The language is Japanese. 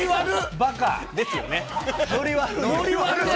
バカ。ですよね。